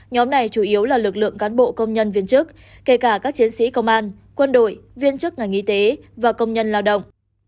nhóm này chủ yếu là lực lượng cán bộ công nhân viên chức kể cả các chiến sĩ công an quân đội viên chức ngành y tế và công nhân lao động